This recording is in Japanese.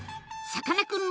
さかなクン！